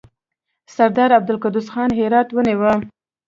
سردار عبدالقدوس خان هرات ونیوی.